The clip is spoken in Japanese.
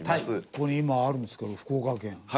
ここに今あるんですけど福岡県